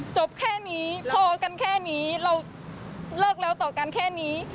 จบแค่นี้พอกันแค่นี้เราเลิกแล้วต่อกันแค่นี้